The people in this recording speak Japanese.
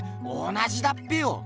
同じだっぺよ！